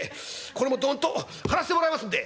これもどんと張らせてもらいますんで」。